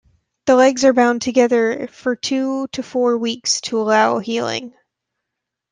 The legs are bound together for two to four weeks to allow healing.